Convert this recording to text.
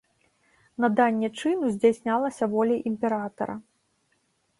Наданне чыну здзяйснялася воляй імператара.